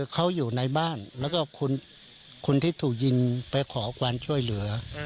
เขาอยู่ในบ้านแล้วก็คนที่ถูกยิงไปขอความช่วยเหลือ